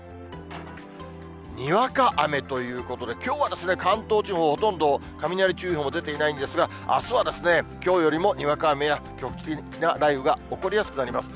にわか雨ということで、きょうは関東地方、ほとんど雷注意報も出ていないんですが、あすは、きょうよりもにわか雨や局地的な雷雨が起こりやすくなります。